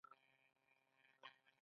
خلک په شرط والیبال کوي.